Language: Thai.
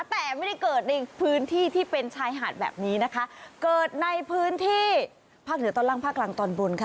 แต่ไม่ได้เกิดในพื้นที่ที่เป็นชายหาดแบบนี้นะคะเกิดในพื้นที่ภาคเหนือตอนล่างภาคกลางตอนบนค่ะ